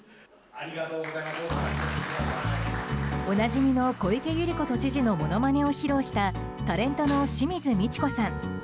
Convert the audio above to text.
おなじみの小池百合子都知事のものまねを披露したタレントの清水ミチコさん。